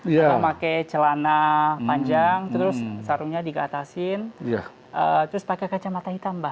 maka pakai celana panjang terus sarungnya dikatasin terus pakai kacamata hitam mbah